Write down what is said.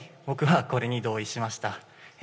僕はこれに同意しました。